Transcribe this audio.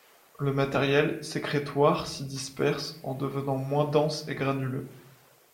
Le matériel sécrétoire s’y disperse en devenant moins dense et granuleux.